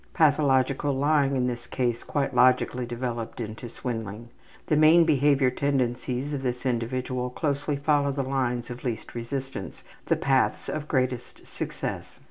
Pathological lying in this case quite logically developed into swindling. The main behavior tendencies of this individual closely follow the lines of least resistance, the paths of greatest success.